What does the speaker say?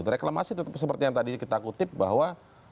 reklamasi tetap seperti yang tadi kita kutip bahwa